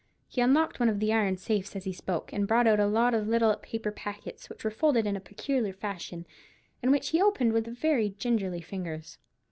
He unlocked one of the iron safes as he spoke, and brought out a lot of little paper packets, which were folded in a peculiar fashion, and which he opened with very gingerly fingers.